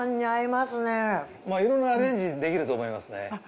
いろんなアレンジできると思いますね。